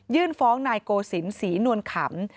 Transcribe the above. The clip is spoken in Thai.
ยื่นฟ้องนายโกศิมศ์ศรีนวลขำ